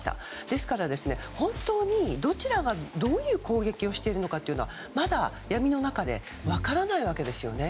ですから、本当にどちらがどういう攻撃をしているのかはまだ闇の中で分からないわけですよね。